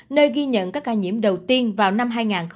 nơi ghi nhận các ca nhiễm đầu tiên vào năm hai nghìn hai mươi